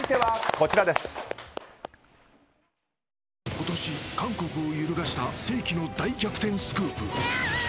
今年、韓国を揺るがした世紀の大逆転スクープ。